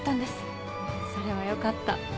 それはよかった。